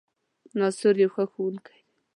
ناصر يو ښۀ ښوونکی دی